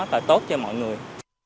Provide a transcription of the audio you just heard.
và tốt cho mọi người